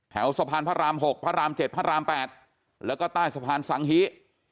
สะพานพระราม๖พระราม๗พระราม๘แล้วก็ใต้สะพานสังฮิ